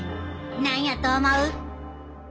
何やと思う？